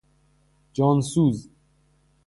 جان سوز